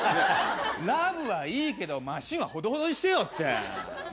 ラブはいいけどマシーンはほどほどにしてよって。